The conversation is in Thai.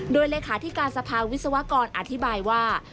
โดยเลขาธิการสภาวิศวกรอธิบายว่า